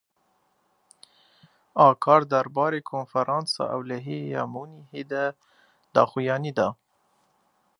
Akar derbarê Konferansa Ewlehiyê ya Munîhê de daxuyanî da.